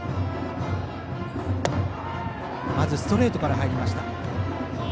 まずストレートから入りました。